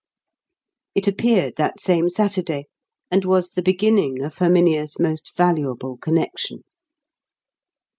It appeared that same Saturday, and was the beginning of Herminia's most valuable connection.